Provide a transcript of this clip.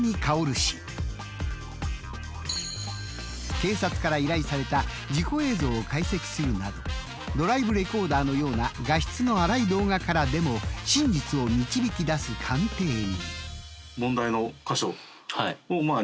警察から依頼された事故映像を解析するなどドライブレコーダーのような画質の荒い動画からでも真実を導き出す鑑定人。